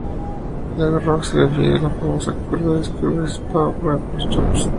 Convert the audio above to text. La "Eau Rouge" se refiere a la famosa curva del Circuit de Spa-Francorchamps.